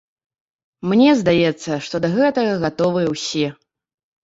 Мне здаецца, што да гэтага гатовыя ўсе.